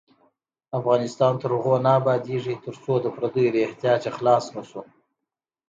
افغانستان تر هغو نه ابادیږي، ترڅو د پردیو له احتیاجه خلاص نشو.